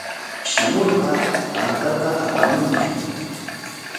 Shamurqa tantata apamunki.